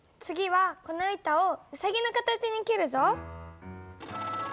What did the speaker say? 次はこの板をうさぎの形に切るぞ。